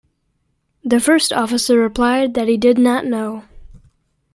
The first officer replied that he did not know.